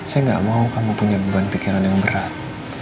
saya gak mau kamu punya beban pikiran yang berat